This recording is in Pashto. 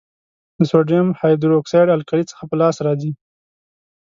د سوډیم هایدرو اکسایډ القلي څخه په لاس راځي.